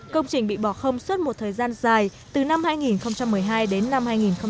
công trình bị bỏ không suốt một thời gian dài từ năm hai nghìn một mươi hai đến năm hai nghìn một mươi bảy